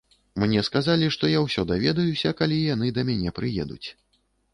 Мне сказалі, што я ўсё даведаюся, калі яны да мяне прыедуць.